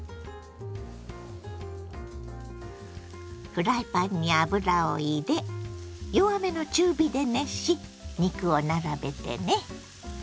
フライパンに油を入れ弱めの中火で熱し肉を並べてね。